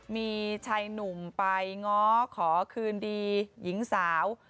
มีชายหนุ่มไปง้อขอคืนดีหญิงสาว